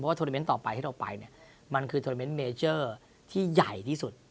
เพราะว่าโทรเมนต์ต่อไปที่เราไปมันคือโทรเมนต์เมเจอร์ที่ใหญ่ที่สุด